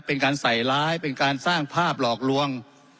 เป็นการใส่ร้ายเป็นการสร้างภาพหลอกลวง